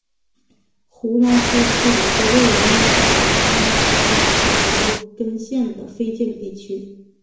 胡拉科是一个位于美国阿拉巴马州摩根县的非建制地区。